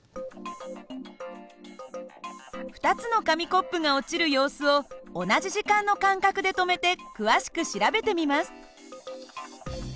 ２つの紙コップが落ちる様子を同じ時間の間隔で止めて詳しく調べてみます。